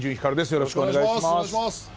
よろしくお願いします。